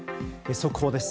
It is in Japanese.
速報です。